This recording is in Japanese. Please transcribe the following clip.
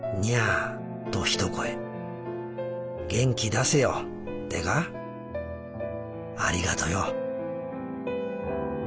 元気出せよってか。ありがとよ」。